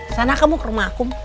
sana kamu ke rumah aku